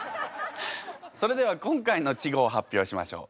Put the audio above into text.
それでは今回の稚語を発表しましょう。